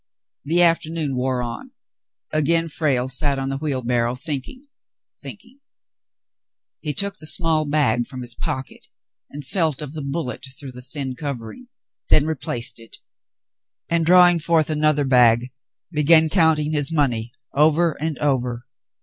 The afternoon wore on. Again Frale sat on the wheel barrow, thinking, thinking. He took the small bag from his pocket and felt of the bullet through the thin covering, then replaced it, and, drawing forth another bag, began counting his money over and over.